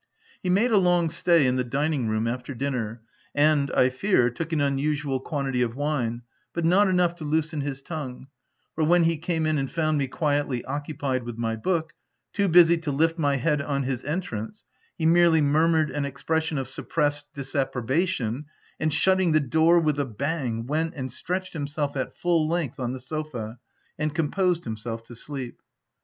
He made a long stay in the dining room after dinner, and, I fear, took an unusual quan tity of wine, but not enough to loosen his tongue ; for when he came in and found me quietly occupied with my book, too busy to lift my head on his entrance, he merely mur mured an expression of suppressed disappro bation, and, shutting the door with a bang, went and stretched himself at full length on the sofa, and composed himself to sleep.